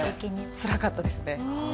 つらかったですね。